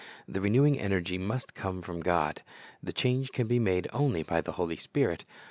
The renewing energy must come from God. The change can be made onl} by the Holy Spirit.